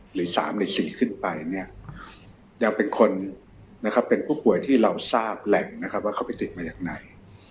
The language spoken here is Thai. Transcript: หรือ๓หรือ๔ขึ้นไปยังเป็นผู้ป่วยที่เราทราบแหล่งว่าเขาไปติดมาอย่างไร